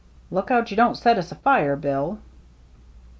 " Look out you don't set us afire. Bill."